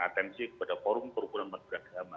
atensi kepada forum perhubungan beragama